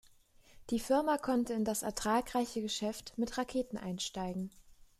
Die Firma konnte in das ertragreiche Geschäft mit Raketen einsteigen.